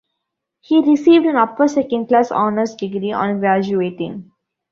He received an Upper-Second Class Honours degree on graduating.